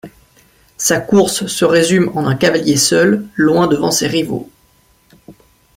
Sa course se résume en un cavalier seul, loin devant ses rivaux.